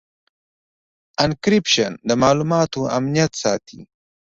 انکریپشن د معلوماتو امنیت ساتي.